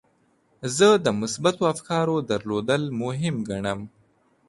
زه د مثبتو افکارو درلودل مهم ګڼم.